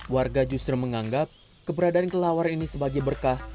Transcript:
warga justru menganggap keberadaan kelelawar ini sebagai berkah